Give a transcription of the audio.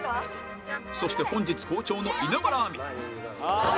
そして本日好調の稲村亜美